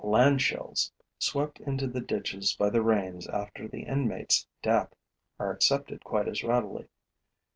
Land shells, swept into the ditches by the rains after the inmate's death, are accepted quite as readily.